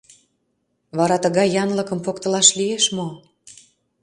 Вара тыгай янлыкым поктылаш лиеш мо?